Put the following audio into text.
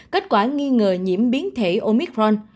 kết quả nghi ngờ nhiễm biến thể omicron